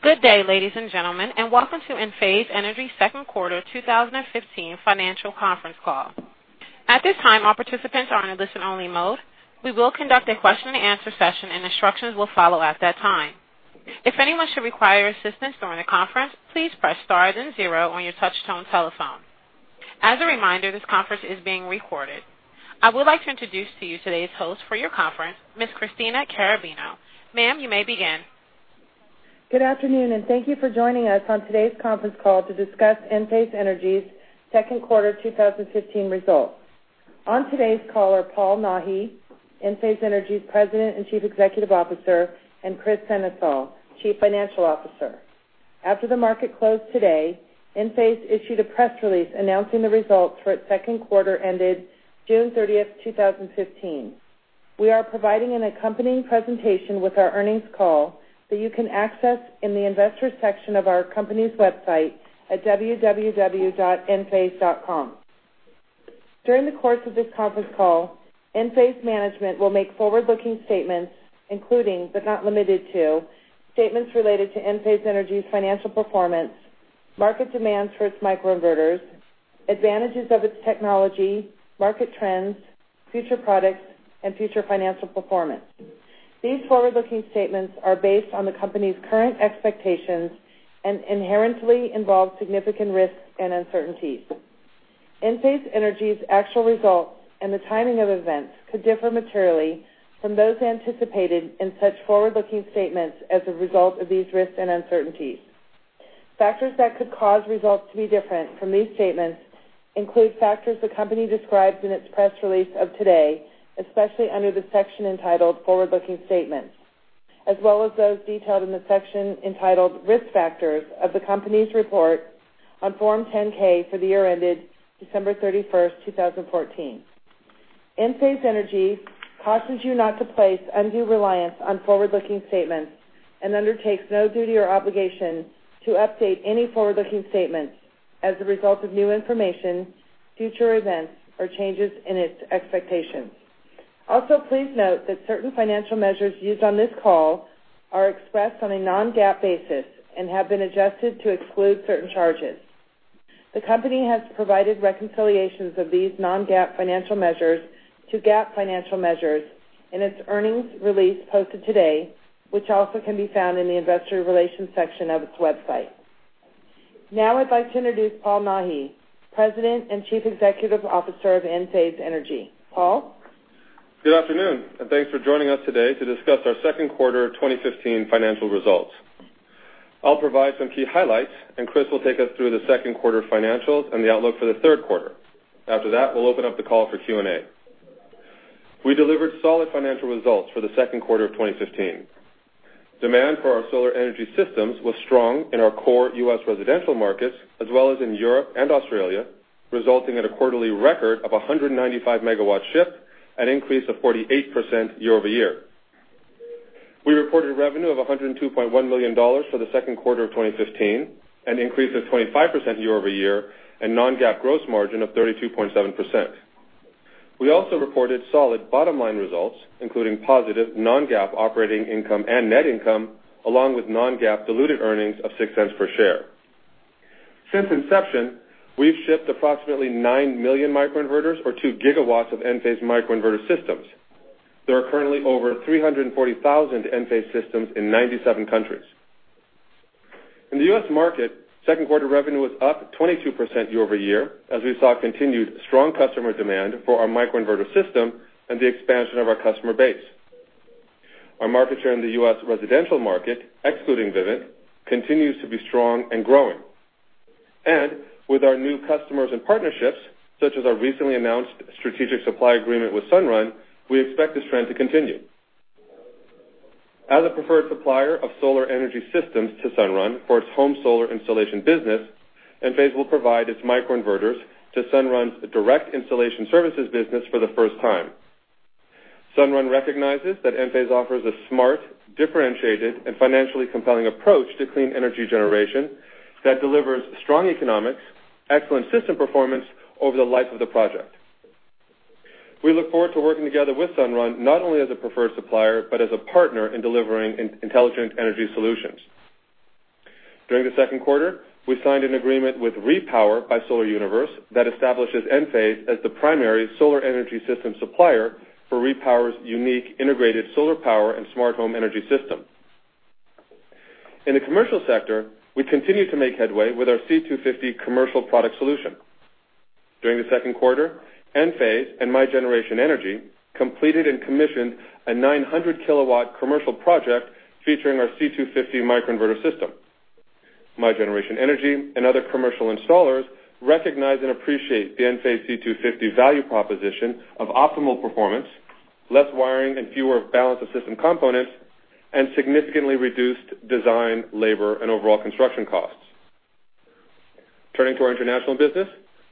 Good day, ladies and gentlemen, and welcome to Enphase Energy second quarter 2015 financial conference call. At this time, all participants are in a listen-only mode. We will conduct a question-and-answer session, and instructions will follow at that time. If anyone should require assistance during the conference, please press star then zero on your touch-tone telephone. As a reminder, this conference is being recorded. I would like to introduce to you today's host for your conference, Ms. Christina Caravino. Ma'am, you may begin. Good afternoon, thank you for joining us on today's conference call to discuss Enphase Energy's second quarter 2015 results. On today's call are Paul Nahi, Enphase Energy's President and Chief Executive Officer, and Kris Sennesael, Chief Financial Officer. After the market closed today, Enphase issued a press release announcing the results for its second quarter ended June 30th, 2015. We are providing an accompanying presentation with our earnings call that you can access in the investors section of our company's website at www.enphase.com. During the course of this conference call, Enphase management will make forward-looking statements, including, but not limited to, statements related to Enphase Energy's financial performance, market demands for its microinverters, advantages of its technology, market trends, future products, and future financial performance. These forward-looking statements are based on the company's current expectations and inherently involve significant risks and uncertainties. Enphase Energy's actual results and the timing of events could differ materially from those anticipated in such forward-looking statements as a result of these risks and uncertainties. Factors that could cause results to be different from these statements include factors the company describes in its press release of today, especially under the section entitled Forward-Looking Statements, as well as those detailed in the section entitled Risk Factors of the Company's Report on Form 10-K for the year ended December 31st, 2014. Enphase Energy cautions you not to place undue reliance on forward-looking statements and undertakes no duty or obligation to update any forward-looking statements as a result of new information, future events, or changes in its expectations. Also, please note that certain financial measures used on this call are expressed on a non-GAAP basis and have been adjusted to exclude certain charges. The company has provided reconciliations of these non-GAAP financial measures to GAAP financial measures in its earnings release posted today, which also can be found in the investor relations section of its website. Now I'd like to introduce Paul Nahi, President and Chief Executive Officer of Enphase Energy. Paul? Good afternoon, thanks for joining us today to discuss our second quarter 2015 financial results. I'll provide some key highlights. Kris will take us through the second quarter financials and the outlook for the third quarter. After that, we'll open up the call for Q&A. We delivered solid financial results for the second quarter of 2015. Demand for our solar energy systems was strong in our core U.S. residential markets, as well as in Europe and Australia, resulting in a quarterly record of 195 megawatts shipped, an increase of 48% year-over-year. We reported revenue of $102.1 million for the second quarter of 2015, an increase of 25% year-over-year, and non-GAAP gross margin of 32.7%. We also reported solid bottom-line results, including positive non-GAAP operating income and net income, along with non-GAAP diluted earnings of $0.06 per share. Since inception, we've shipped approximately 9 million microinverters or 2 gigawatts of Enphase microinverter systems. There are currently over 340,000 Enphase systems in 97 countries. In the U.S. market, second quarter revenue was up 22% year-over-year, as we saw continued strong customer demand for our microinverter system and the expansion of our customer base. Our market share in the U.S. residential market, excluding Vivint, continues to be strong and growing. With our new customers and partnerships, such as our recently announced strategic supply agreement with Sunrun, we expect this trend to continue. As a preferred supplier of solar energy systems to Sunrun for its home solar installation business, Enphase will provide its microinverters to Sunrun's direct installation services business for the first time. Sunrun recognizes that Enphase offers a smart, differentiated, and financially compelling approach to clean energy generation that delivers strong economics, excellent system performance over the life of the project. We look forward to working together with Sunrun, not only as a preferred supplier, but as a partner in delivering intelligent energy solutions. During the second quarter, we signed an agreement with Repower by Solar Universe that establishes Enphase as the primary solar energy system supplier for Repower's unique integrated solar power and smart home energy system. In the commercial sector, we continue to make headway with our C250 commercial product solution. During the second quarter, Enphase and MyGeneration Energy completed and commissioned a 900 kilowatt commercial project featuring our C250 microinverter system. MyGeneration Energy and other commercial installers recognize and appreciate the Enphase C250 value proposition of optimal performance, less wiring and fewer balance-of-system components, and significantly reduced design, labor, and overall construction costs. Turning to our international business,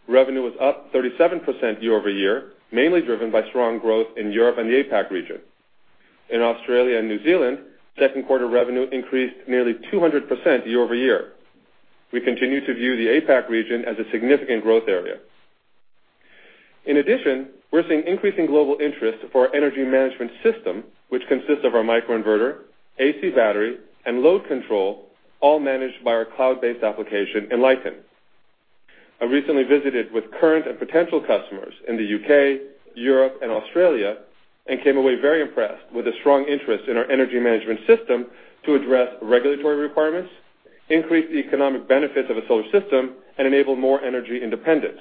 revenue was up 37% year-over-year, mainly driven by strong growth in Europe and the APAC region. In Australia and New Zealand, second quarter revenue increased nearly 200% year-over-year. We continue to view the APAC region as a significant growth area. In addition, we're seeing increasing global interest for our energy management system, which consists of our microinverter, AC Battery, and load control, all managed by our cloud-based application, Enlighten. I recently visited with current and potential customers in the U.K., Europe, and Australia, and came away very impressed with the strong interest in our energy management system to address regulatory requirements, increase the economic benefits of a solar system, and enable more energy independence.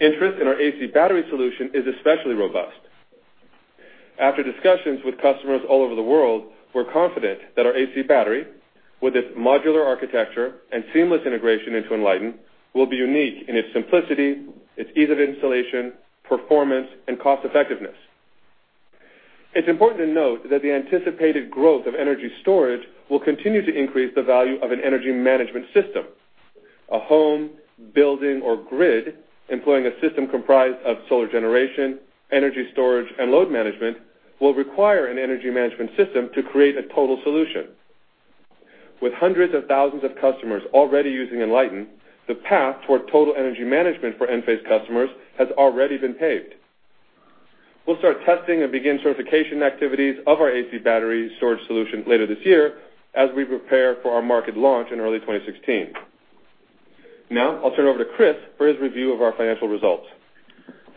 Interest in our AC Battery solution is especially robust. After discussions with customers all over the world, we're confident that our AC Battery, with its modular architecture and seamless integration into Enlighten, will be unique in its simplicity, its ease of installation, performance, and cost-effectiveness. It's important to note that the anticipated growth of energy storage will continue to increase the value of an energy management system. A home, building, or grid employing a system comprised of solar generation, energy storage, and load management, will require an energy management system to create a total solution. With hundreds of thousands of customers already using Enlighten, the path toward total energy management for Enphase customers has already been paved. We'll start testing and begin certification activities of our AC Battery storage solution later this year, as we prepare for our market launch in early 2016. Now, I'll turn over to Kris for his review of our financial results.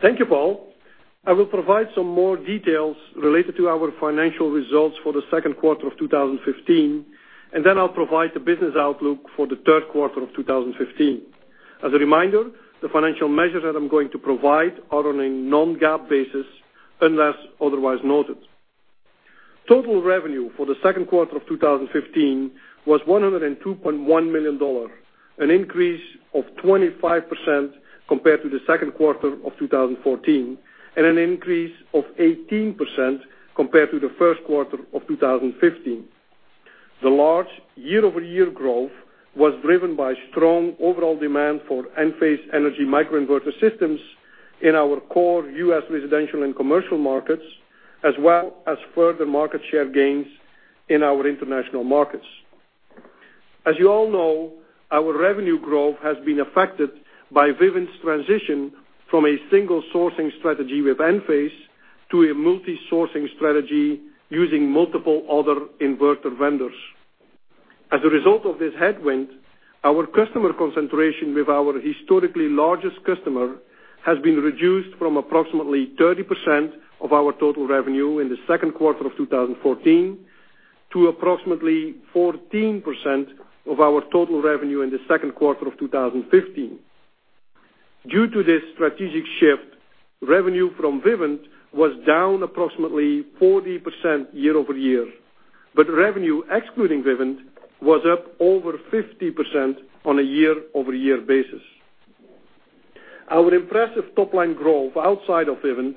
Thank you, Paul. I will provide some more details related to our financial results for the second quarter of 2015, and then I'll provide the business outlook for the third quarter of 2015. As a reminder, the financial measures that I'm going to provide are on a non-GAAP basis, unless otherwise noted. Total revenue for the second quarter of 2015 was $102.1 million, an increase of 25% compared to the second quarter of 2014, and an increase of 18% compared to the first quarter of 2015. The large year-over-year growth was driven by strong overall demand for Enphase Energy microinverter systems in our core U.S. residential and commercial markets, as well as further market share gains in our international markets. As you all know, our revenue growth has been affected by Vivint's transition from a single sourcing strategy with Enphase to a multi-sourcing strategy using multiple other inverter vendors. As a result of this headwind, our customer concentration with our historically largest customer has been reduced from approximately 30% of our total revenue in the second quarter of 2014 to approximately 14% of our total revenue in the second quarter of 2015. Due to this strategic shift, revenue from Vivint was down approximately 40% year-over-year. Revenue excluding Vivint was up over 50% on a year-over-year basis. Our impressive top-line growth outside of Vivint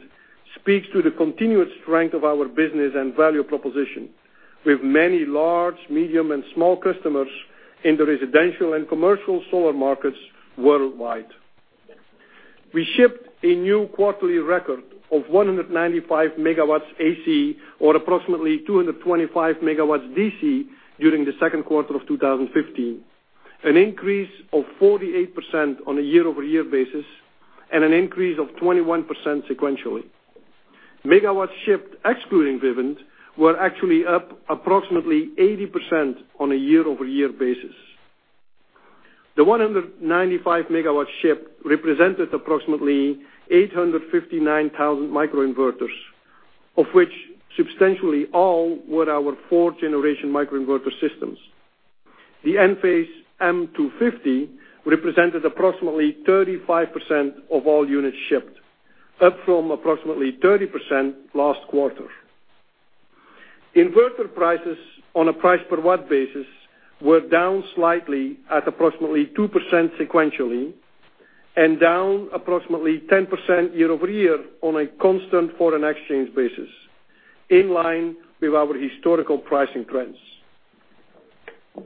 speaks to the continued strength of our business and value proposition, with many large, medium, and small customers in the residential and commercial solar markets worldwide. We shipped a new quarterly record of 195 megawatts AC, or approximately 225 megawatts DC, during the second quarter of 2015, an increase of 48% on a year-over-year basis, and an increase of 21% sequentially. Megawatts shipped excluding Vivint were actually up approximately 80% on a year-over-year basis. The 195 megawatts shipped represented approximately 859,000 microinverters, of which substantially all were our fourth-generation microinverter systems. The Enphase M250 represented approximately 35% of all units shipped, up from approximately 30% last quarter. Inverter prices on a price per watt basis were down slightly at approximately 2% sequentially, and down approximately 10% year-over-year on a constant foreign exchange basis, in line with our historical pricing trends.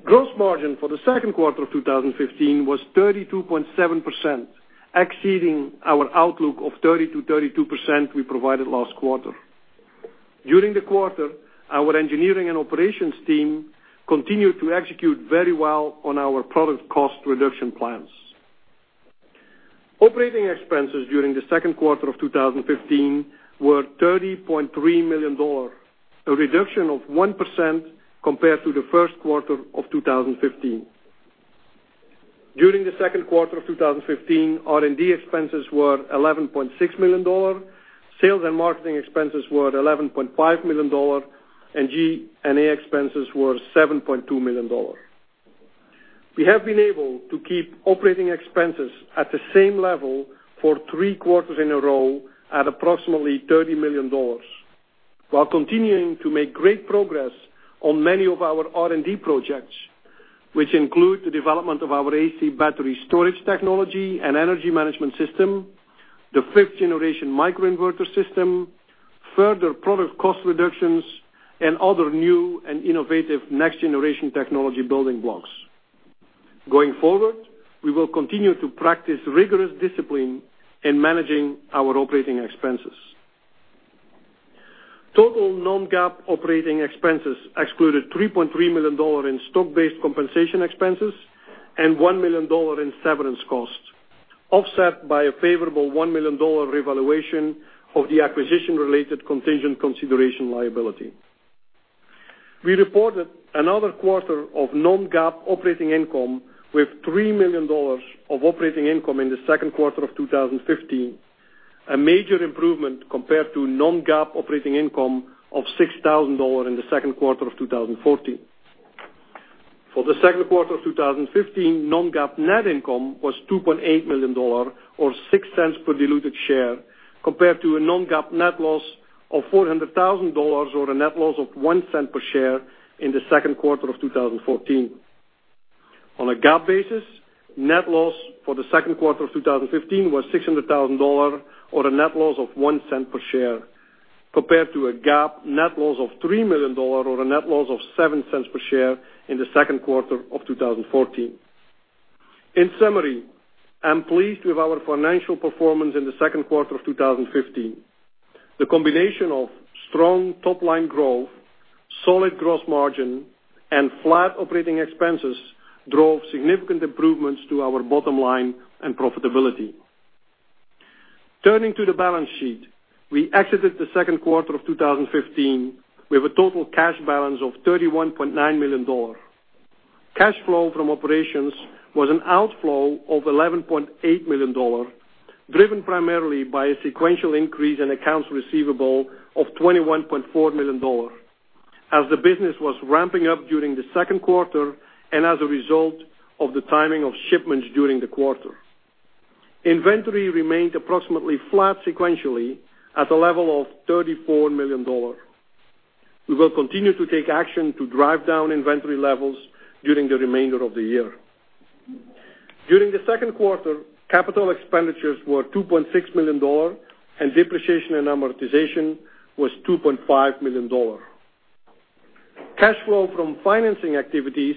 Gross margin for the second quarter of 2015 was 32.7%, exceeding our outlook of 30%-32% we provided last quarter. During the quarter, our engineering and operations team continued to execute very well on our product cost reduction plans. Operating expenses during the second quarter of 2015 were $30.3 million, a reduction of 1% compared to the first quarter of 2015. During the second quarter of 2015, R&D expenses were $11.6 million, sales and marketing expenses were at $11.5 million, and G&A expenses were $7.2 million. We have been able to keep operating expenses at the same level for three quarters in a row at approximately $30 million, while continuing to make great progress on many of our R&D projects, which include the development of our AC Battery storage technology and energy management system, the fifth-generation microinverter system, further product cost reductions, and other new and innovative next generation technology building blocks. Going forward, we will continue to practice rigorous discipline in managing our operating expenses. Total non-GAAP operating expenses excluded $3.3 million in stock-based compensation expenses and $1 million in severance costs, offset by a favorable $1 million revaluation of the acquisition-related contingent consideration liability. We reported another quarter of non-GAAP operating income with $3 million of operating income in the second quarter of 2015, a major improvement compared to non-GAAP operating income of $6,000 in the second quarter of 2014. For the second quarter of 2015, non-GAAP net income was $2.8 million or $0.06 per diluted share, compared to a non-GAAP net loss of $400,000 or a net loss of $0.01 per share in the second quarter of 2014. On a GAAP basis, net loss for the second quarter of 2015 was $600,000 or a net loss of $0.01 per share, compared to a GAAP net loss of $3 million or a net loss of $0.07 per share in the second quarter of 2014. In summary, I'm pleased with our financial performance in the second quarter of 2015. The combination of strong top-line growth, solid gross margin, and flat operating expenses drove significant improvements to our bottom line and profitability. Turning to the balance sheet, we exited the second quarter of 2015 with a total cash balance of $31.9 million. Cash flow from operations was an outflow of $11.8 million, driven primarily by a sequential increase in accounts receivable of $21.4 million, as the business was ramping up during the second quarter and as a result of the timing of shipments during the quarter. Inventory remained approximately flat sequentially at a level of $34 million. We will continue to take action to drive down inventory levels during the remainder of the year. During the second quarter, capital expenditures were $2.6 million, and depreciation and amortization was $2.5 million. Cash flow from financing activities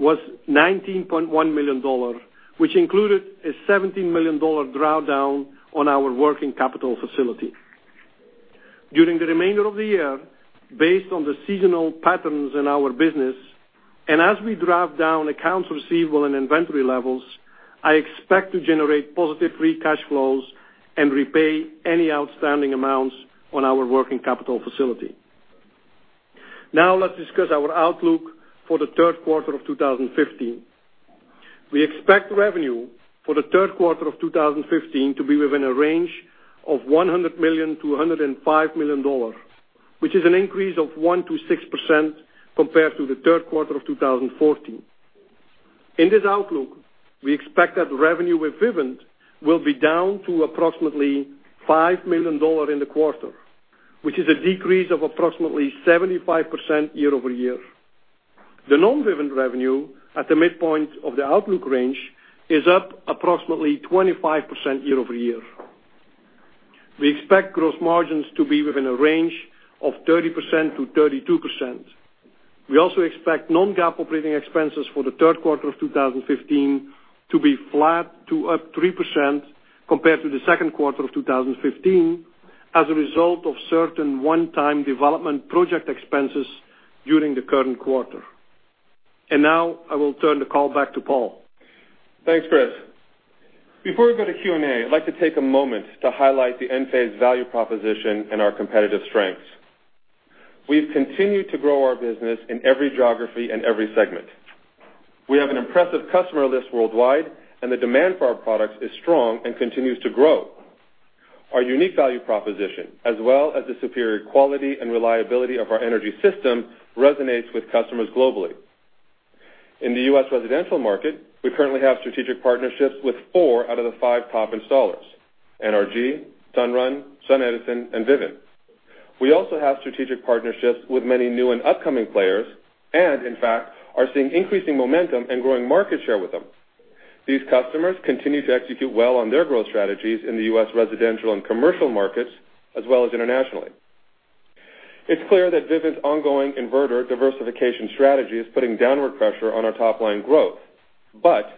was $19.1 million, which included a $17 million drawdown on our working capital facility. During the remainder of the year, based on the seasonal patterns in our business, and as we drive down accounts receivable and inventory levels, I expect to generate positive free cash flows and repay any outstanding amounts on our working capital facility. Let's discuss our outlook for the third quarter of 2015. We expect revenue for the third quarter of 2015 to be within a range of $100 million-$105 million, which is an increase of 1%-6% compared to the third quarter of 2014. In this outlook, we expect that revenue with Vivint will be down to approximately $5 million in the quarter, which is a decrease of approximately 75% year-over-year. The non-Vivint revenue at the midpoint of the outlook range is up approximately 25% year-over-year. We expect gross margins to be within a range of 30%-32%. We also expect non-GAAP operating expenses for the third quarter of 2015 to be flat to up 3% compared to the second quarter of 2015 as a result of certain one-time development project expenses during the current quarter. I will turn the call back to Paul. Thanks, Kris. Before we go to Q&A, I'd like to take a moment to highlight the Enphase value proposition and our competitive strengths. We've continued to grow our business in every geography and every segment. We have an impressive customer list worldwide, and the demand for our products is strong and continues to grow. Our unique value proposition, as well as the superior quality and reliability of our energy system, resonates with customers globally. In the U.S. residential market, we currently have strategic partnerships with four out of the five top installers: NRG, Sunrun, SunEdison, and Vivint. We also have strategic partnerships with many new and upcoming players and, in fact, are seeing increasing momentum and growing market share with them. These customers continue to execute well on their growth strategies in the U.S. residential and commercial markets, as well as internationally. It's clear that Vivint's ongoing inverter diversification strategy is putting downward pressure on our top-line growth.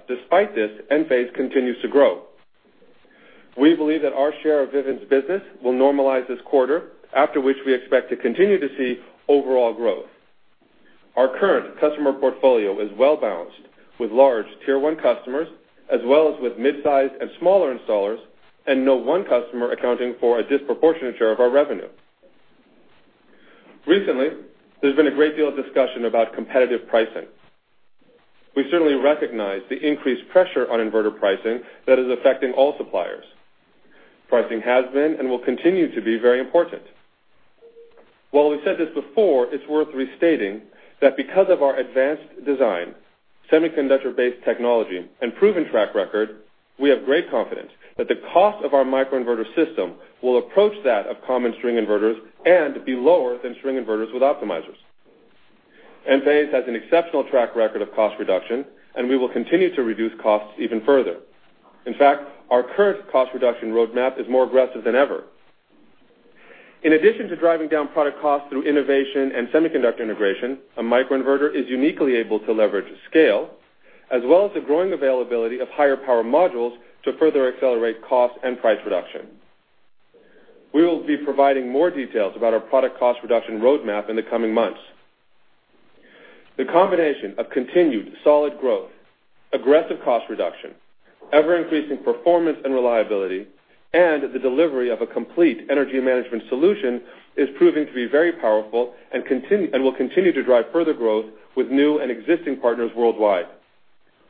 Despite this, Enphase continues to grow. We believe that our share of Vivint's business will normalize this quarter, after which we expect to continue to see overall growth. Our current customer portfolio is well-balanced with large tier 1 customers as well as with midsize and smaller installers, and no one customer accounting for a disproportionate share of our revenue. Recently, there's been a great deal of discussion about competitive pricing. We certainly recognize the increased pressure on inverter pricing that is affecting all suppliers. Pricing has been and will continue to be very important. While we've said this before, it's worth restating that because of our advanced design, semiconductor-based technology, and proven track record, we have great confidence that the cost of our microinverter system will approach that of common string inverters and be lower than string inverters with optimizers. Enphase has an exceptional track record of cost reduction, and we will continue to reduce costs even further. In fact, our current cost reduction roadmap is more aggressive than ever. In addition to driving down product costs through innovation and semiconductor integration, a microinverter is uniquely able to leverage scale as well as the growing availability of higher power modules to further accelerate cost and price reduction. We will be providing more details about our product cost reduction roadmap in the coming months. The combination of continued solid growth, aggressive cost reduction, ever-increasing performance and reliability, and the delivery of a complete energy management solution is proving to be very powerful and will continue to drive further growth with new and existing partners worldwide.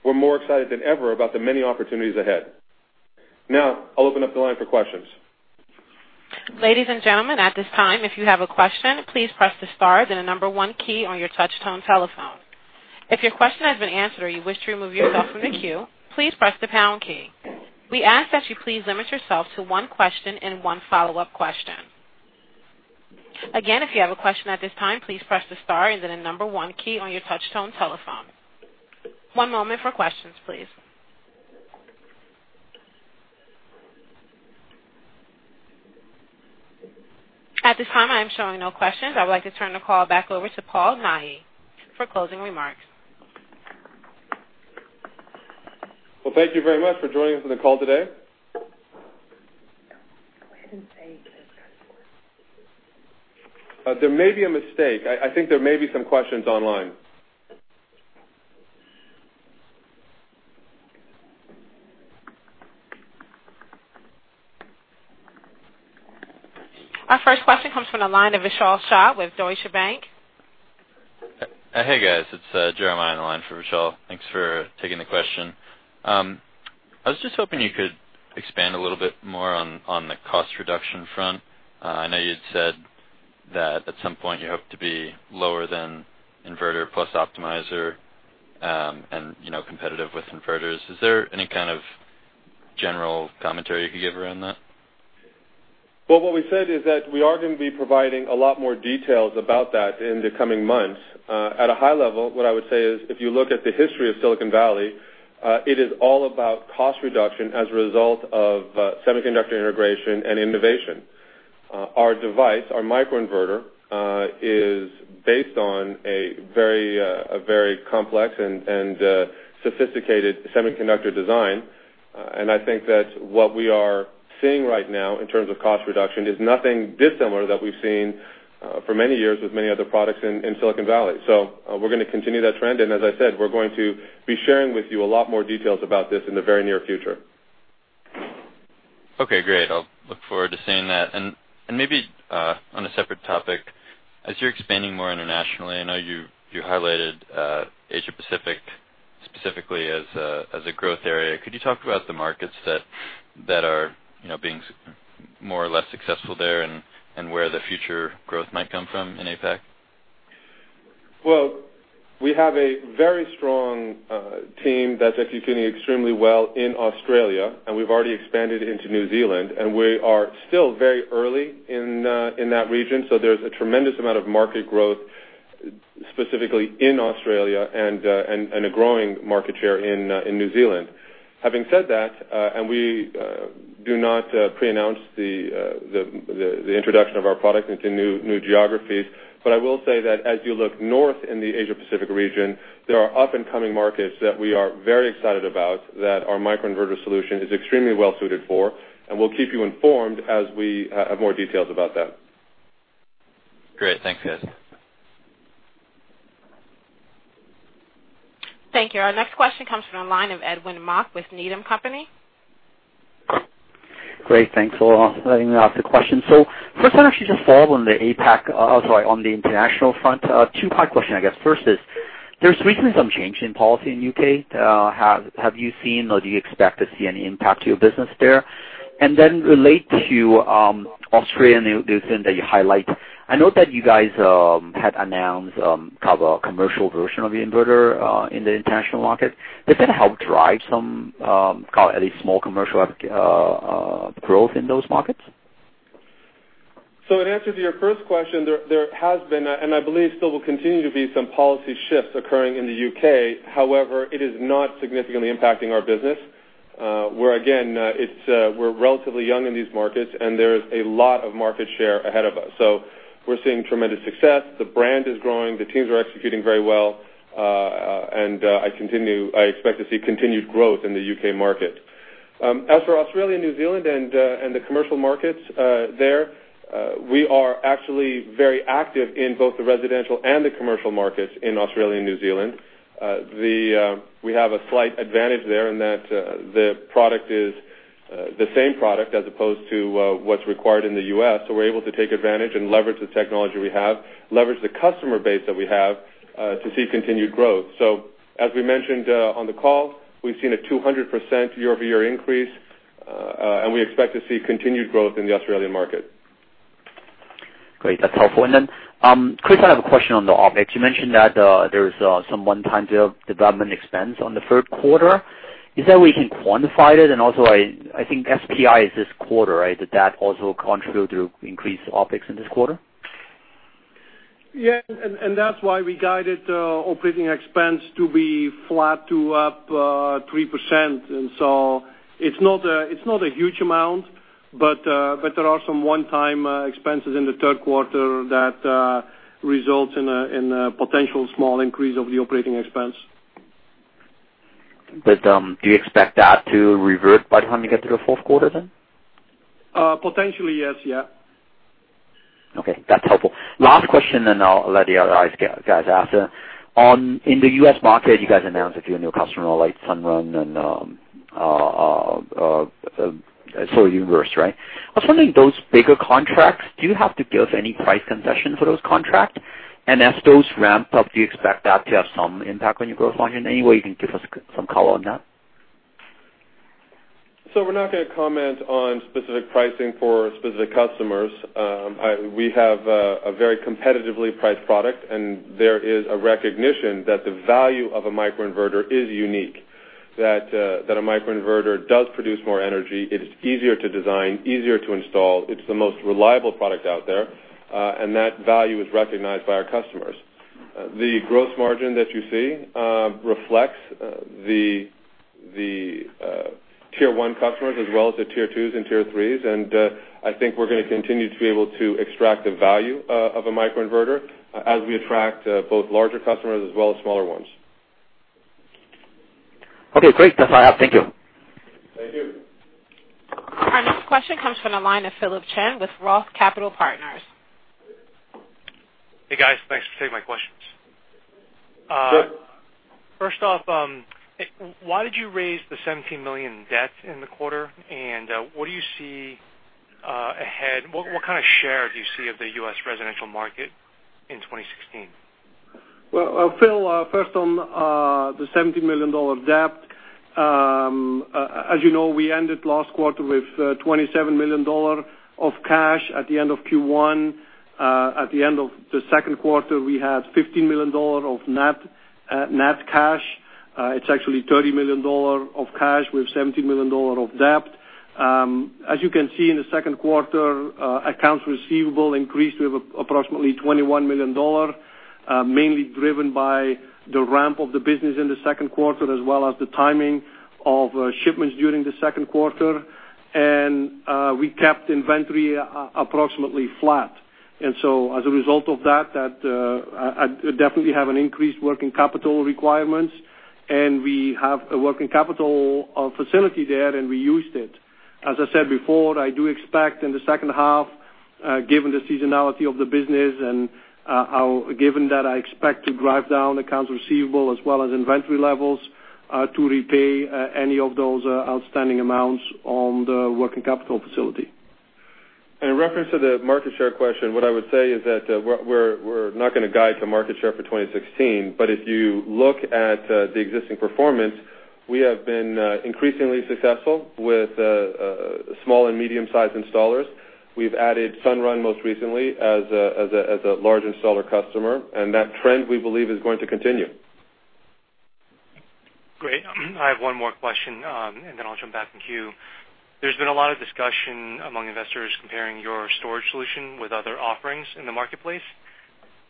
We're more excited than ever about the many opportunities ahead. I'll open up the line for questions. Ladies and gentlemen, at this time, if you have a question, please press the star then the number one key on your touch-tone telephone. If your question has been answered or you wish to remove yourself from the queue, please press the pound key. We ask that you please limit yourself to one question and one follow-up question. Again, if you have a question at this time, please press the star and then the number one key on your touch-tone telephone. One moment for questions, please. At this time, I am showing no questions. I would like to turn the call back over to Paul Nahi for closing remarks. Thank you very much for joining us on the call today. Go ahead and say There may be a mistake. I think there may be some questions online. Our first question comes from the line of Vishal Shah with Deutsche Bank. Hey, guys. It's Jeremiah on the line for Vishal. Thanks for taking the question. I was just hoping you could expand a little bit more on the cost reduction front. I know you had said that at some point you hope to be lower than inverter plus optimizer, and competitive with inverters. Is there any kind of general commentary you could give around that? Well, what we said is that we are going to be providing a lot more details about that in the coming months. At a high level, what I would say is, if you look at the history of Silicon Valley, it is all about cost reduction as a result of semiconductor integration and innovation. Our device, our microinverter, is based on a very complex and sophisticated semiconductor design. I think that what we are seeing right now in terms of cost reduction is nothing dissimilar that we've seen for many years with many other products in Silicon Valley. We're going to continue that trend, and as I said, we're going to be sharing with you a lot more details about this in the very near future. Okay, great. I'll look forward to seeing that. Maybe on a separate topic, as you're expanding more internationally, I know you highlighted Asia Pacific specifically as a growth area. Could you talk about the markets that are being more or less successful there, and where the future growth might come from in APAC? Well, we have a very strong team that's executing extremely well in Australia, and we've already expanded into New Zealand, and we are still very early in that region. There's a tremendous amount of market growth specifically in Australia and a growing market share in New Zealand. Having said that, we do not preannounce the introduction of our product into new geographies, I will say that as you look north in the Asia Pacific region, there are up and coming markets that we are very excited about, that our microinverter solution is extremely well-suited for, and we'll keep you informed as we have more details about that. Great. Thanks, guys. Thank you. Our next question comes from the line of Edwin Mok with Needham & Company. Great. Thanks a lot for letting me ask the question. First one is actually just follow on the international front. Two-part question, I guess. First is, there's recently some change in policy in the U.K. Have you seen or do you expect to see any impact to your business there? Relate to Australia, New Zealand that you highlight. I know that you guys had announced kind of a commercial version of the inverter in the international market. Does that help drive some, call it a small commercial growth in those markets? In answer to your first question, there has been, and I believe still will continue to be, some policy shifts occurring in the U.K. However, it is not significantly impacting our business. Where again, we're relatively young in these markets, and there is a lot of market share ahead of us. We're seeing tremendous success. The brand is growing, the teams are executing very well. I expect to see continued growth in the U.K. market. As for Australia and New Zealand and the commercial markets there, we are actually very active in both the residential and the commercial markets in Australia and New Zealand. We have a slight advantage there in that the product is the same product as opposed to what's required in the U.S. We're able to take advantage and leverage the technology we have, leverage the customer base that we have, to see continued growth. As we mentioned on the call, we've seen a 200% year-over-year increase. We expect to see continued growth in the Australian market. Great. That's helpful. Chris, I have a question on the OpEx. You mentioned that there's some one-time development expense in the third quarter. Is there a way you can quantify it? Also, I think SPI is this quarter, right? Did that also contribute to increased OpEx in this quarter? That's why we guided operating expense to be flat to up 3%. It's not a huge amount. There are some one-time expenses in the third quarter that result in a potential small increase of the operating expense. Do you expect that to revert by the time you get to the fourth quarter, then? Potentially, yes. Okay, that's helpful. Last question, then I'll let the other guys ask. In the U.S. market, you guys announced a few new customer, like Sunrun and Solar Universe. On some of those bigger contracts, do you have to give any price concession for those contracts? As those ramp up, do you expect that to have some impact on your gross margin? Any way you can give us some color on that? We're not going to comment on specific pricing for specific customers. We have a very competitively priced product, and there is a recognition that the value of a microinverter is unique, that a microinverter does produce more energy. It is easier to design, easier to install. It's the most reliable product out there, and that value is recognized by our customers. The gross margin that you see reflects the tier 1 customers as well as the tier 2s and tier 3s. I think we're going to continue to be able to extract the value of a microinverter as we attract both larger customers as well as smaller ones. Okay, great. That's all I have. Thank you. Thank you. Our next question comes from the line of Philip Shen with ROTH Capital Partners. Hey, guys. Thanks for taking my questions. Sure. First off, why did you raise the $17 million debt in the quarter? What do you see ahead? What kind of share do you see of the U.S. residential market in 2016? Well, Phil, first on the $17 million debt. As you know, we ended last quarter with $27 million of cash at the end of Q1. At the end of the second quarter, we had $15 million of net cash. It's actually $30 million of cash with $17 million of debt. As you can see in the second quarter, accounts receivable increased to approximately $21 million, mainly driven by the ramp of the business in the second quarter, as well as the timing of shipments during the second quarter. We kept inventory approximately flat. As a result of that, I definitely have an increased working capital requirements, and we have a working capital facility there, and we used it. As I said before, I do expect in the second half, given the seasonality of the business and given that I expect to drive down accounts receivable as well as inventory levels, to repay any of those outstanding amounts on the working capital facility. In reference to the market share question, what I would say is that we're not going to guide to market share for 2016. If you look at the existing performance, we have been increasingly successful with small and medium-sized installers. We've added Sunrun most recently as a large installer customer, and that trend, we believe, is going to continue. Great. I have one more question, and then I'll jump back in queue. There's been a lot of discussion among investors comparing your storage solution with other offerings in the marketplace.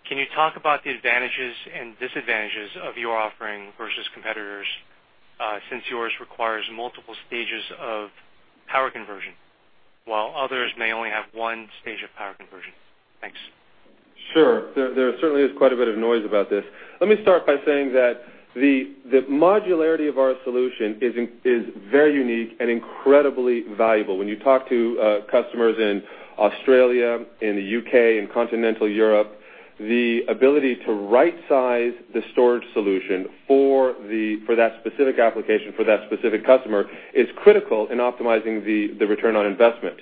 Can you talk about the advantages and disadvantages of your offering versus competitors, since yours requires multiple stages of power conversion, while others may only have 1 stage of power conversion? Thanks. Sure. There certainly is quite a bit of noise about this. Let me start by saying that the modularity of our solution is very unique and incredibly valuable. When you talk to customers in Australia, in the U.K., in continental Europe, the ability to right-size the storage solution for that specific application, for that specific customer, is critical in optimizing the return on investment.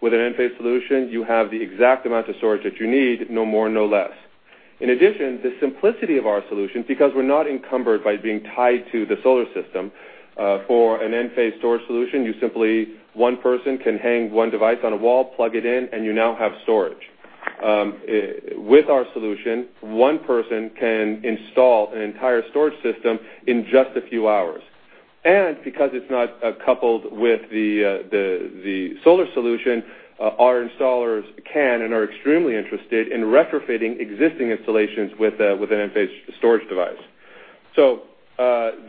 With an Enphase solution, you have the exact amount of storage that you need, no more, no less. In addition, the simplicity of our solution, because we're not encumbered by being tied to the solar system. For an Enphase storage solution, one person can hang one device on a wall, plug it in, and you now have storage. With our solution, one person can install an entire storage system in just a few hours. Because it's not coupled with the solar solution, our installers can and are extremely interested in retrofitting existing installations with an Enphase storage device.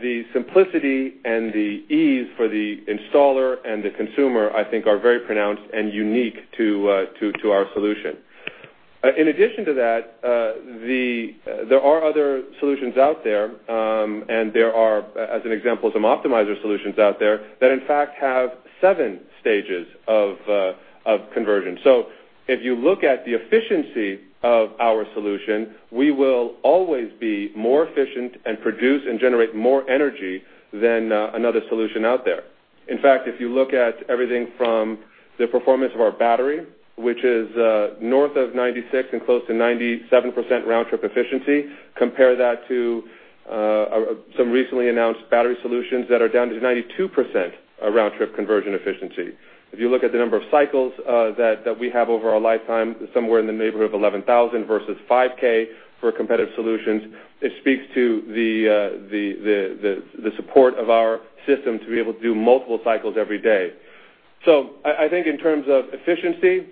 The simplicity and the ease for the installer and the consumer, I think, are very pronounced and unique to our solution. In addition to that, there are other solutions out there, and there are, as an example, some optimizer solutions out there, that in fact have 7 stages of conversion. If you look at the efficiency of our solution, we will always be more efficient and produce and generate more energy than another solution out there. In fact, if you look at everything from the performance of our battery, which is north of 96% and close to 97% round-trip efficiency, compare that to some recently announced battery solutions that are down to 92% round-trip conversion efficiency. If you look at the number of cycles that we have over our lifetime, somewhere in the neighborhood of 11,000 versus 5,000 for competitive solutions, it speaks to the support of our system to be able to do multiple cycles every day. I think in terms of efficiency,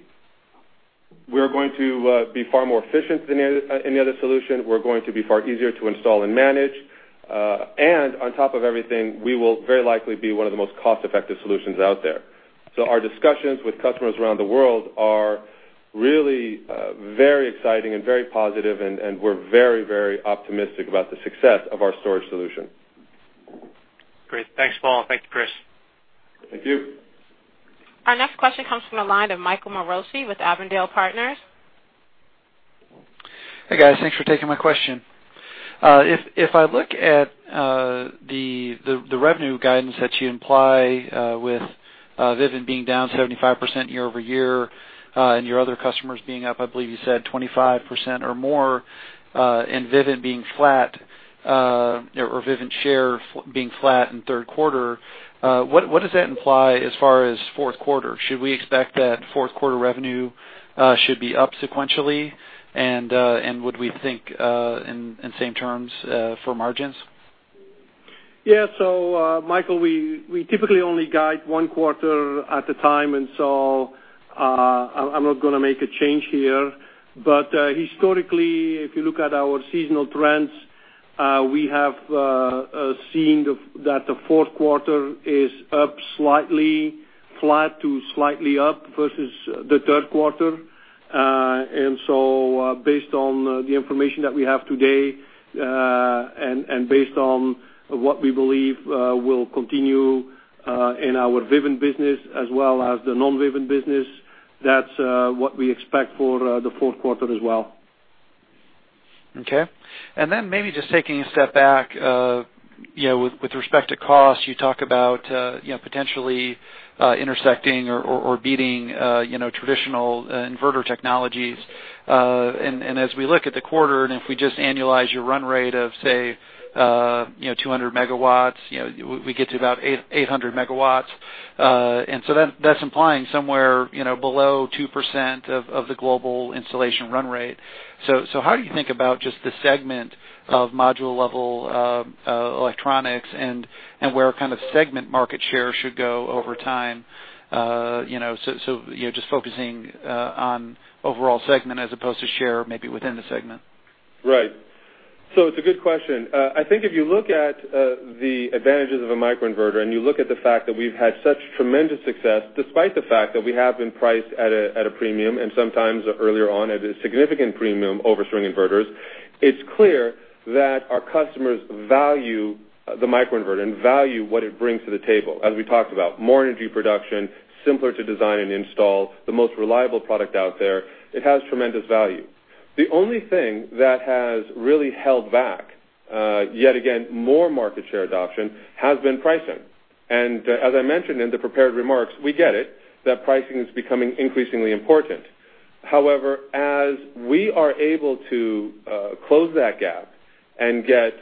we're going to be far more efficient than any other solution. We're going to be far easier to install and manage. On top of everything, we will very likely be one of the most cost-effective solutions out there. Our discussions with customers around the world are really very exciting and very positive, and we're very optimistic about the success of our storage solution. Great. Thanks, Paul. Thank you, Kris. Thank you. Our next question comes from the line of Michael Morosi with Avondale Partners. Hey, guys. Thanks for taking my question. If I look at the revenue guidance that you imply with Vivint being down 75% year-over-year, and your other customers being up, I believe you said 25% or more, and Vivint being flat, or Vivint shares being flat in the third quarter, what does that imply as far as the fourth quarter? Should we expect that fourth quarter revenue should be up sequentially? Would we think in the same terms for margins? Yeah. Michael, we typically only guide one quarter at a time, I'm not going to make a change here. Historically, if you look at our seasonal trends, we have seen that the fourth quarter is up slightly, flat to slightly up versus the third quarter. Based on the information that we have today, based on what we believe will continue in our Vivint business as well as the non-Vivint business, that's what we expect for the fourth quarter as well. Okay. Maybe just taking a step back, with respect to cost, you talk about potentially intersecting or beating traditional inverter technologies. As we look at the quarter, if we just annualize your run rate of, say, 200 megawatts, we get to about 800 megawatts. That's implying somewhere below 2% of the global installation run rate. How do you think about just the segment of module-level electronics and where segment market share should go over time? Just focusing on the overall segment as opposed to share maybe within the segment. Right. It's a good question. I think if you look at the advantages of a microinverter, and you look at the fact that we've had such tremendous success, despite the fact that we have been priced at a premium, and sometimes earlier on, at a significant premium over string inverters, it's clear that our customers value the microinverter and value what it brings to the table. As we talked about, more energy production, simpler to design and install, the most reliable product out there. It has tremendous value. The only thing that has really held back yet again, more market share adoption has been pricing. As I mentioned in the prepared remarks, we get it, that pricing is becoming increasingly important. However, as we are able to close that gap and get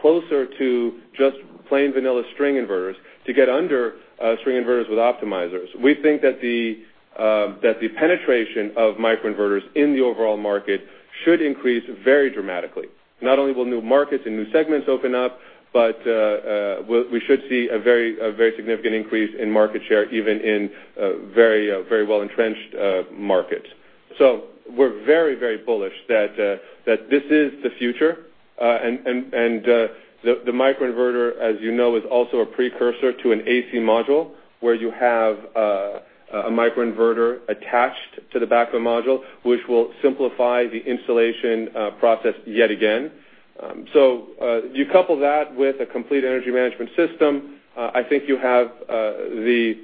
closer to just plain vanilla string inverters to get under string inverters with optimizers, we think that the penetration of microinverters in the overall market should increase very dramatically. Not only will new markets and new segments open up, but we should see a very significant increase in market share, even in very well-entrenched markets. We're very bullish that this is the future. The microinverter, as you know, is also a precursor to an AC module where you have a microinverter attached to the back of the module, which will simplify the installation process yet again. You couple that with a complete energy management system, I think you have the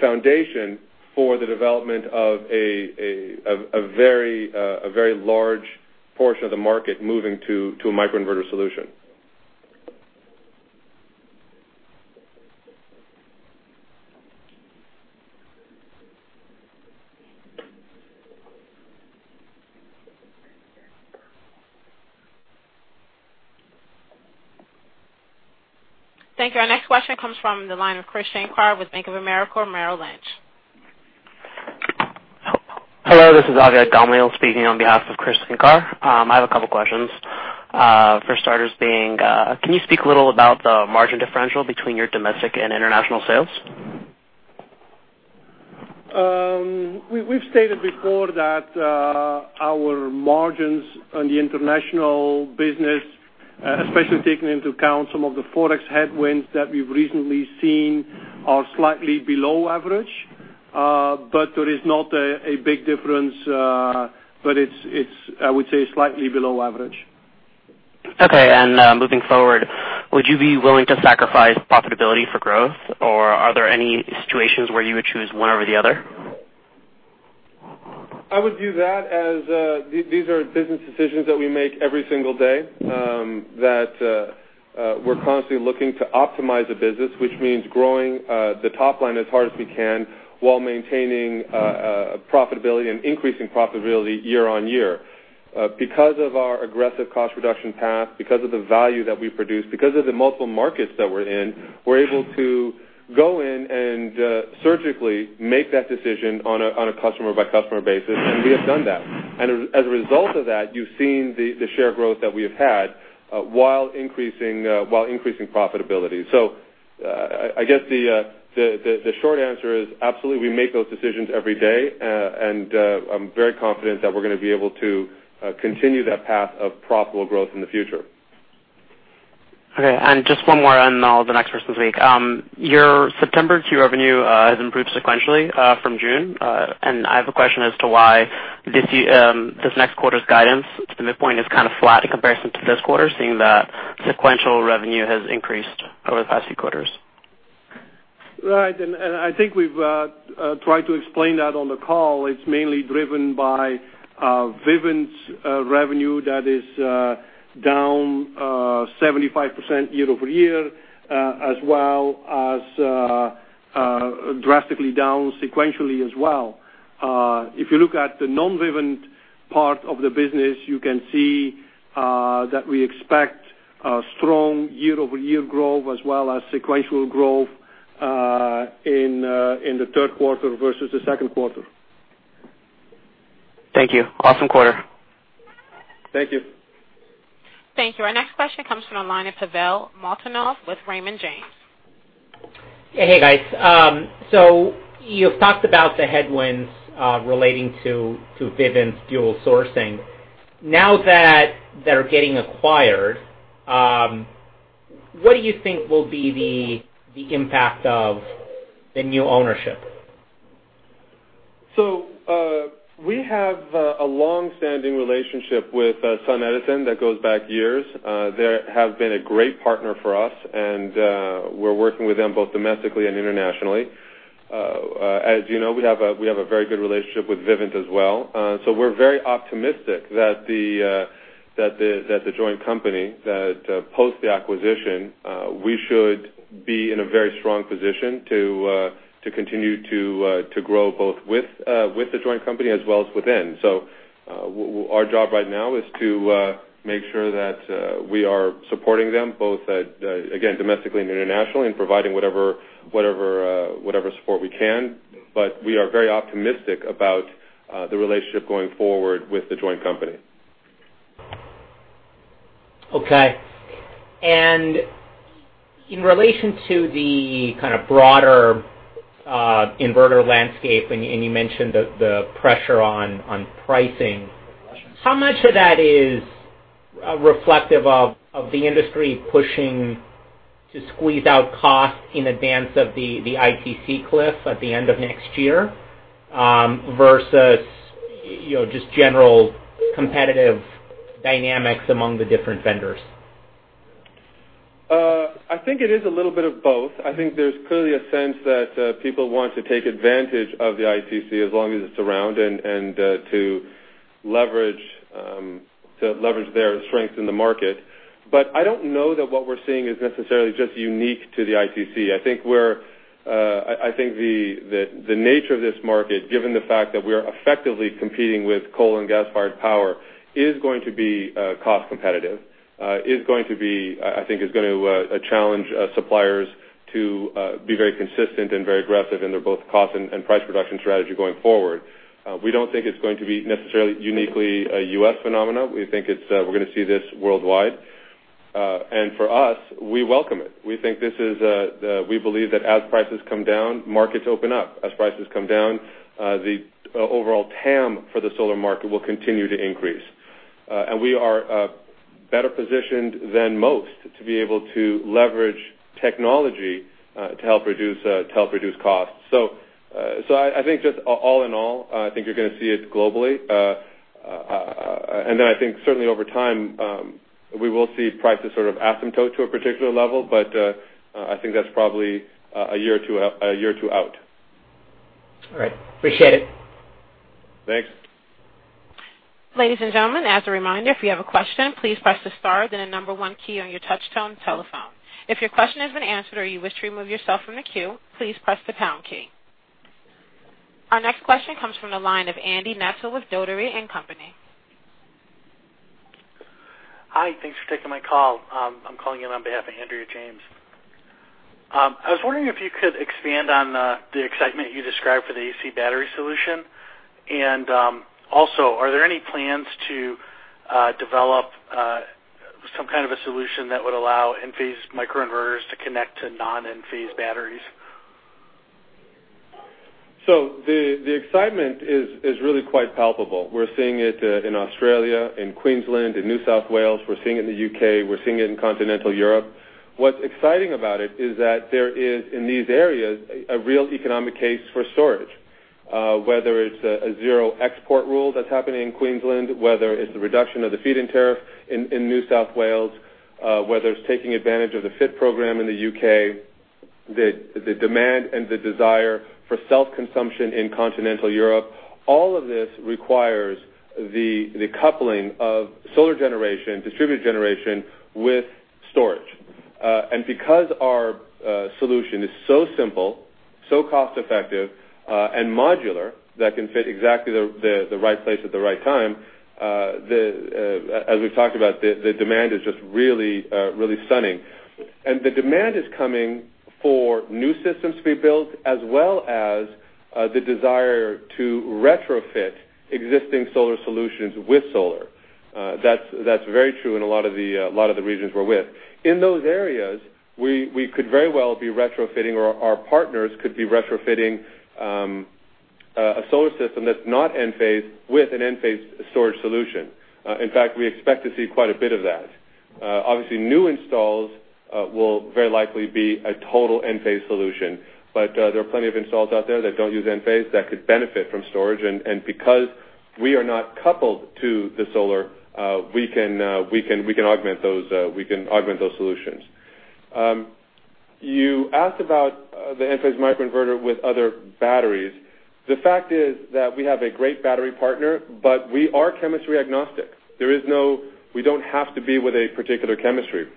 foundation for the development of a very large portion of the market moving to a microinverter solution. Thank you. Our next question comes from the line of Krish Sankar with Bank of America Merrill Lynch. Hello, this is Maheep Mandloi speaking on behalf of Krish Sankar. I have a couple of questions. For starters being, can you speak a little about the margin differential between your domestic and international sales? We've stated before that our margins on the international business, especially taking into account some of the forex headwinds that we've recently seen, are slightly below average. There is not a big difference. It's, I would say, slightly below average. Okay. Moving forward, would you be willing to sacrifice profitability for growth? Are there any situations where you would choose one over the other? I would view that as these are business decisions that we make every single day, that we're constantly looking to optimize the business, which means growing the top line as hard as we can while maintaining profitability and increasing profitability year-on-year. Because of our aggressive cost reduction path, because of the value that we produce, because of the multiple markets that we're in, we're able to go in and surgically make that decision on a customer-by-customer basis, and we have done that. As a result of that, you've seen the share growth that we have had while increasing profitability. I guess the short answer is absolutely, we make those decisions every day, and I'm very confident that we're going to be able to continue that path of profitable growth in the future. Okay. Just one more and I'll let the next person speak. Your September Q revenue has improved sequentially from June. I have a question as to why this next quarter's guidance to the midpoint is kind of flat in comparison to this quarter, seeing that sequential revenue has increased over the past few quarters. Right. I think we've tried to explain that on the call. It's mainly driven by Vivint's revenue that is down 75% year-over-year, as well as drastically down sequentially as well. If you look at the non-Vivint part of the business, you can see that we expect a strong year-over-year growth as well as sequential growth in the third quarter versus the second quarter. Thank you. Awesome quarter. Thank you. Thank you. Our next question comes from the line of Pavel Molchanov with Raymond James. Hey, guys. You've talked about the headwinds relating to Vivint's dual sourcing. Now that they're getting acquired, what do you think will be the impact of the new ownership? We have a long-standing relationship with SunEdison that goes back years. They have been a great partner for us, and we're working with them both domestically and internationally. As you know, we have a very good relationship with Vivint as well. We're very optimistic that the joint company, that post the acquisition, we should be in a very strong position to continue to grow both with the joint company as well as within. Our job right now is to make sure that we are supporting them both, again, domestically and internationally and providing whatever support we can. We are very optimistic about the relationship going forward with the joint company. Okay. In relation to the kind of broader inverter landscape, and you mentioned the pressure on pricing, how much of that is reflective of the industry pushing to squeeze out costs in advance of the ITC cliff at the end of next year versus just general competitive dynamics among the different vendors? I think it is a little bit of both. I think there's clearly a sense that people want to take advantage of the ITC as long as it's around and to leverage their strength in the market. I don't know that what we're seeing is necessarily just unique to the ITC. I think the nature of this market, given the fact that we're effectively competing with coal and gas-fired power, is going to be cost competitive, I think, is going to challenge suppliers to be very consistent and very aggressive in their both cost and price reduction strategy going forward. We don't think it's going to be necessarily uniquely a U.S. phenomena. We think we're going to see this worldwide. For us, we welcome it. We believe that as prices come down, markets open up. As prices come down, the overall TAM for the solar market will continue to increase. We are better positioned than most to be able to leverage technology to help reduce costs. I think just all in all, I think you're going to see it globally. Then I think certainly over time, we will see prices sort of asymptote to a particular level, but I think that's probably a year or two out. All right. Appreciate it. Thanks. Ladies and gentlemen, as a reminder, if you have a question, please press the star, then the number 1 key on your touchtone telephone. If your question has been answered or you wish to remove yourself from the queue, please press the pound key. Our next question comes from the line of Colin Rusch with Dougherty & Company. Hi, thanks for taking my call. I'm calling in on behalf of Andrea James. I was wondering if you could expand on the excitement you described for the AC Battery solution. Are there any plans to develop some kind of a solution that would allow Enphase microinverters to connect to non-Enphase batteries? The excitement is really quite palpable. We're seeing it in Australia, in Queensland, in New South Wales. We're seeing it in the U.K. We're seeing it in continental Europe. What's exciting about it is that there is, in these areas, a real economic case for storage. Whether it's a zero export rule that's happening in Queensland, whether it's the reduction of the feed-in tariff in New South Wales, whether it's taking advantage of the FIT program in the U.K., the demand and the desire for self-consumption in continental Europe. All of this requires the coupling of solar generation, distributed generation with storage. Because our solution is so simple, so cost-effective, and modular that can fit exactly the right place at the right time, as we've talked about, the demand is just really stunning. The demand is coming for new systems to be built, as well as the desire to retrofit existing solar solutions with solar. That's very true in a lot of the regions we're with. In those areas, we could very well be retrofitting, or our partners could be retrofitting, a solar system that's not Enphase with an Enphase storage solution. In fact, we expect to see quite a bit of that. Obviously, new installs will very likely be a total Enphase solution. There are plenty of installs out there that don't use Enphase that could benefit from storage. Because we are not coupled to the solar, we can augment those solutions. You asked about the Enphase microinverter with other batteries. The fact is that we have a great battery partner, but we are chemistry agnostic. We don't have to be with a particular chemistry.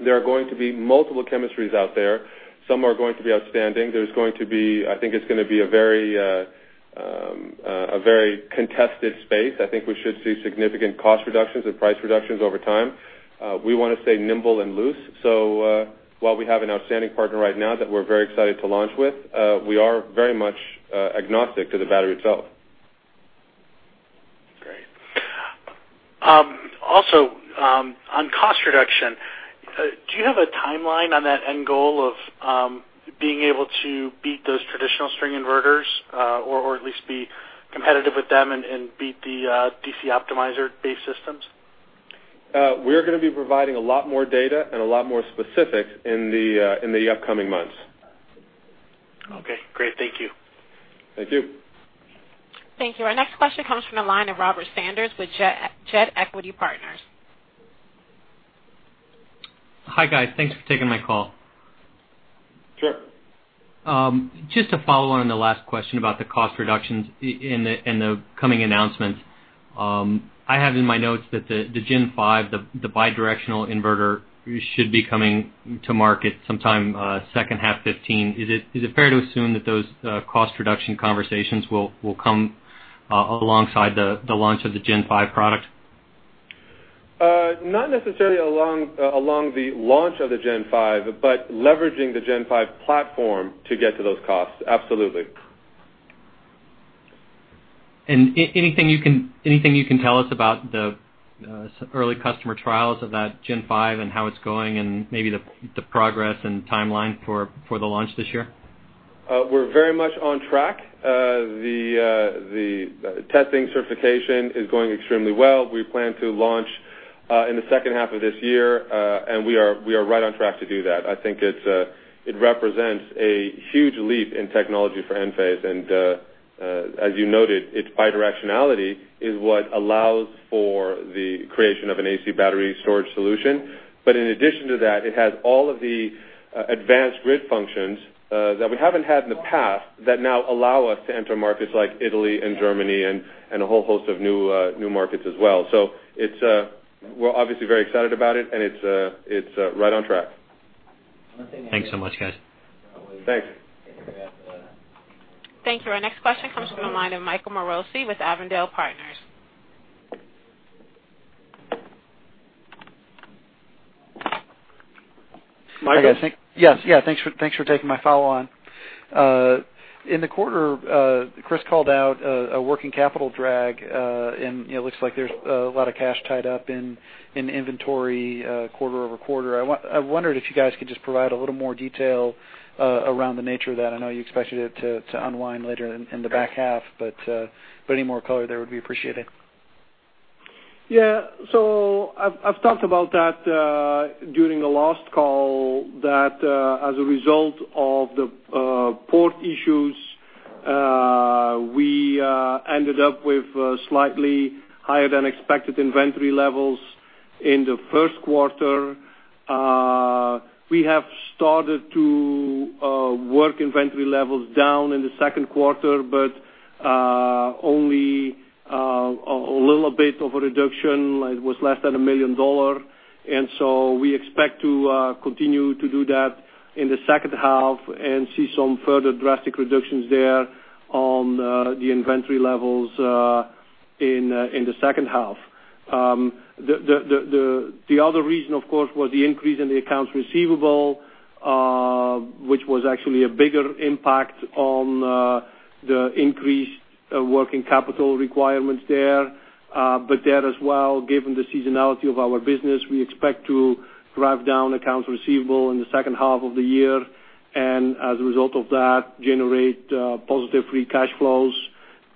There are going to be multiple chemistries out there. Some are going to be outstanding. I think it's going to be a very contested space. I think we should see significant cost reductions and price reductions over time. We want to stay nimble and loose. While we have an outstanding partner right now that we're very excited to launch with, we are very much agnostic to the battery itself. Great. Also, on cost reduction, do you have a timeline on that end goal of being able to beat those traditional string inverters, or at least be competitive with them and beat the DC optimizer-based systems? We're going to be providing a lot more data and a lot more specifics in the upcoming months. Okay, great. Thank you. Thank you. Thank you. Our next question comes from the line of Robert Sanders with Jed Equity Partners. Hi, guys. Thanks for taking my call. Sure. Just to follow on the last question about the cost reductions and the coming announcements. I have in my notes that the Gen 5, the bi-directional inverter, should be coming to market sometime second half 2015. Is it fair to assume that those cost reduction conversations will come alongside the launch of the Gen 5 product? Not necessarily along the launch of the Gen 5, but leveraging the Gen 5 platform to get to those costs, absolutely. Anything you can tell us about the early customer trials of that Gen 5 and how it's going and maybe the progress and timeline for the launch this year? We're very much on track. The testing certification is going extremely well. We plan to launch in the second half of this year. We are right on track to do that. I think it represents a huge leap in technology for Enphase. As you noted, its bi-directionality is what allows for the creation of an AC battery storage solution. In addition to that, it has all of the advanced grid functions that we haven't had in the past that now allow us to enter markets like Italy and Germany and a whole host of new markets as well. We're obviously very excited about it, and it's right on track. Thanks so much, guys. Thanks. Thank you. Our next question comes from the line of Michael Morosi with Avondale Partners. Michael? Yes. Thanks for taking my follow-on. In the quarter, Kris called out a working capital drag, and it looks like there's a lot of cash tied up in inventory quarter-over-quarter. I wondered if you guys could just provide a little more detail around the nature of that. I know you expected it to unwind later in the back half, any more color there would be appreciated. I've talked about that during the last call, that as a result of the port issues, we ended up with slightly higher-than-expected inventory levels in the first quarter. We have started to work inventory levels down in the second quarter, but only a little bit of a reduction. It was less than $1 million. We expect to continue to do that in the second half and see some further drastic reductions there on the inventory levels in the second half. The other reason, of course, was the increase in the accounts receivable, which was actually a bigger impact on the increased working capital requirements there. There as well, given the seasonality of our business, we expect to drive down accounts receivable in the second half of the year, and as a result of that, generate positive free cash flows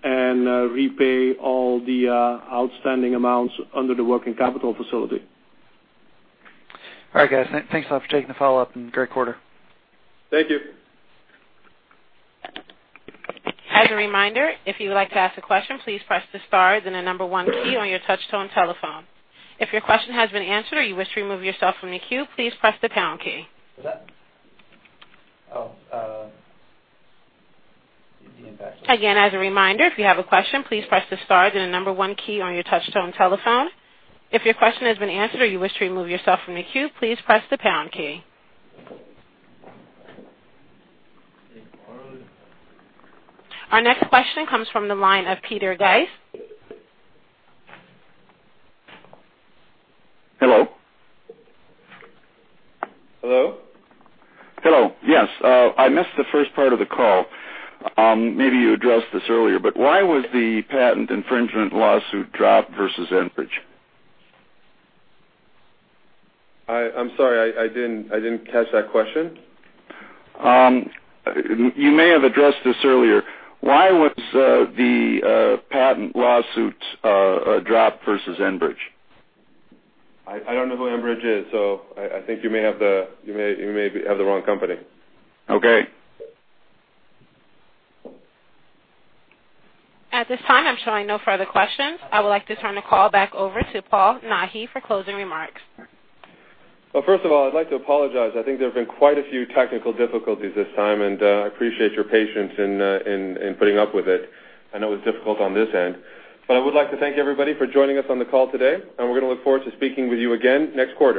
and repay all the outstanding amounts under the working capital facility. All right, guys. Thanks a lot for taking the follow-up, and great quarter. Thank you. As a reminder, if you would like to ask a question, please press the star, then the number one key on your touch-tone telephone. If your question has been answered or you wish to remove yourself from the queue, please press the pound key. Again, as a reminder, if you have a question, please press the star, then the number one key on your touch-tone telephone. If your question has been answered or you wish to remove yourself from the queue, please press the pound key. Our next question comes from the line of Peter Geis. Hello. Hello? Hello. Yes. I missed the first part of the call. Maybe you addressed this earlier, but why was the patent infringement lawsuit dropped versus Enbridge? I'm sorry, I didn't catch that question. You may have addressed this earlier. Why was the patent lawsuit dropped versus Enbridge? I don't know who Enbridge is. I think you may have the wrong company. Okay. At this time, I'm showing no further questions. I would like to turn the call back over to Paul Nahi for closing remarks. First of all, I'd like to apologize. I think there have been quite a few technical difficulties this time, and I appreciate your patience in putting up with it. I know it was difficult on this end. I would like to thank everybody for joining us on the call today, and we're going to look forward to speaking with you again next quarter.